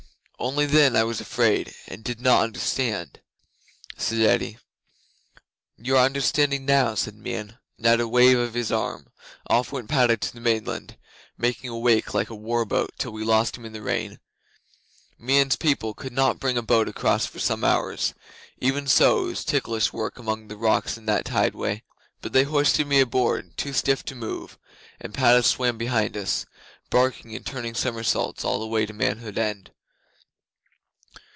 Only then I was afraid, and did not understand," said Eddi. '"You are understanding now," said Meon, and at a wave of his arm off went Padda to the mainland, making a wake like a war boat till we lost him in the rain. Meon's people could not bring a boat across for some hours; even so it was ticklish work among the rocks in that tideway. But they hoisted me aboard, too stiff to move, and Padda swam behind us, barking and turning somersaults all the way to Manhood End!